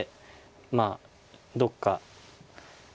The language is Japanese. まあどっか。